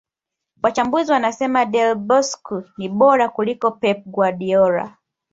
Wachambuzi wanasema Del Bosque ni bora kuliko Pep Guardiola